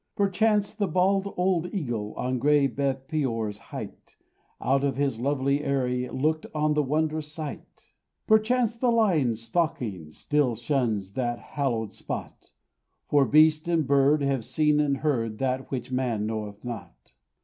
Perchance the bald old eagle, On gray Beth peor's height, Out of his lonely eyry Looked on the wondrous sight; Perchance the lion stalking Still shuns that hallowed spot; For beast and bird have seen and heard That which man knoweth not.